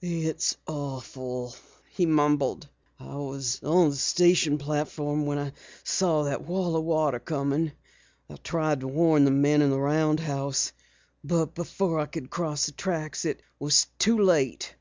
"It's awful," he mumbled. "I was on the station platform when I saw that wall of water coming. Tried to warn the men in the roundhouse. Before I could cross the tracks, it was too late.